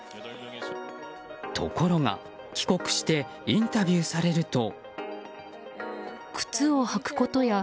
ところが、帰国してインタビューされると。